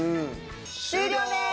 ・終了です！